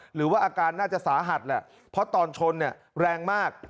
หรือว่าอาการน่าจะสาหัสแหละเพราะตอนชนเนี่ยแรงมาก